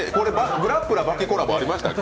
「グラップラー刃牙」コラボありましたっけ？